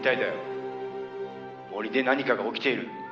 「森で何かが起きている。